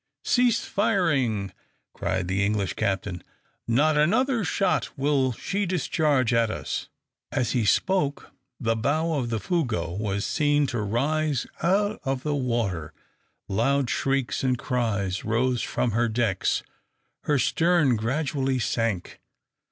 "Cease firing!" cried the English captain. "Not another shot will she discharge at us." As he spoke the bow of the "Fougueux" was seen to rise out of the water. Loud shrieks and cries rose from her decks. Her stern gradually sank.